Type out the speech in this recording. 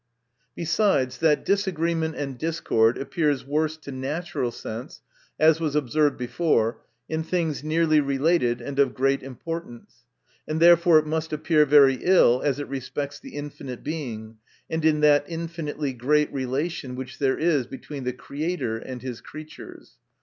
— Besides that disagreement and discord appears worse to natural sense (as was observed before) in things nearly related and of great importance ; and therefore it must appear very ill, as it respects the infinite Being, and in that infinitely great relation which there is between the Creator and his creatures.